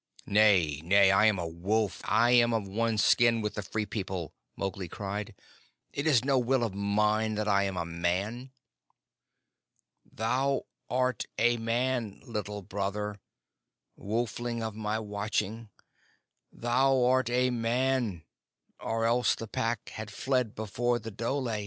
"Nay, nay, I am a wolf. I am of one skin with the Free People," Mowgli cried. "It is no will of mine that I am a man." "Thou art a man, Little Brother, wolfling of my watching. Thou art a man, or else the Pack had fled before the dhole.